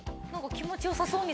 気持ち良さそうに。